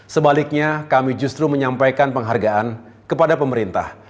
sebaliknya kami justru menyampaikan penghargaan kepada pemerintah